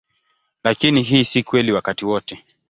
Lakini hii si kweli wakati wote.